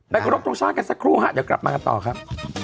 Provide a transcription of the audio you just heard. ครบทรงชาติกันสักครู่ฮะเดี๋ยวกลับมากันต่อครับ